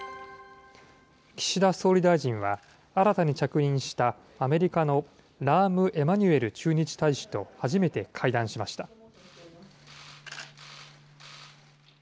岸田総理大臣は、新たに着任したアメリカのラーム・エマニュエル駐日大使と、初めて会談しました。